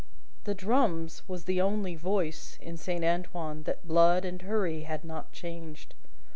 The drum's was the only voice in Saint Antoine that blood and hurry had not changed.